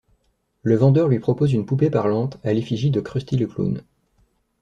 Le vendeur lui propose une poupée parlante à l'effigie de Krusty le Clown.